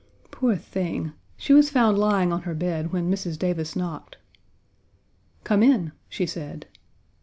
Poor thing! She was found lying on her bed when Mrs. Davis knocked. "Come in," she said.